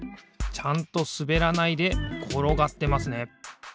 ちゃんとすべらないでころがってますね。